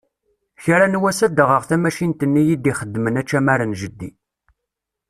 Kra n wass ad d-aɣeɣ tamacint-nni i d-ixeddmen acamar n jeddi.